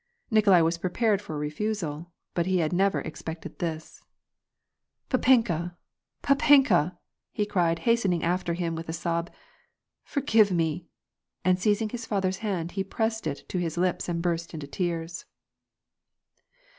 Nikolai was prepared for a refusal, but he had never expected this. "Fapenka ! Papenka !" he cried, hastening after him with a sob, " forgive me !" and seizing his father's hand, he pressed it to his lips and burst into tears.